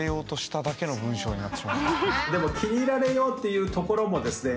でも気に入られようっていうところもですね